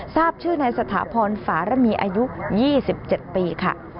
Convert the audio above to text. ทราบชื่อนายสถาพรฝารมีอายุ๒๗ปีค่ะ